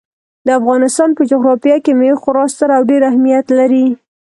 د افغانستان په جغرافیه کې مېوې خورا ستر او ډېر اهمیت لري.